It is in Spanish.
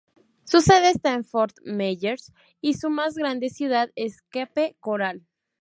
Su sede está en Fort Myers, y su más grande ciudad es Cape Coral.